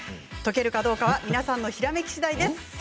解けるかどうかは皆さんのひらめきしだいです。